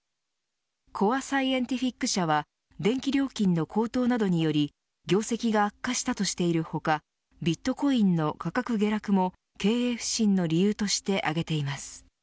コア・サイエンティフィック社は電気料金の高騰などにより業績が悪化したとしている他ビットコインの価格下落も経営不振の理由として挙げています。